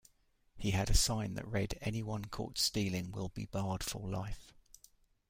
He had a sign that read: "Anyone caught stealing will be barred for life".